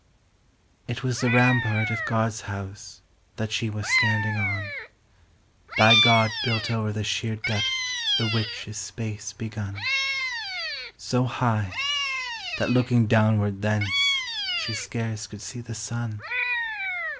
It was the rampart of God's house That she was standing on : By God built over the sheer depth The which is Space begun ; So high, that looking downward thence She scarce could see the sun.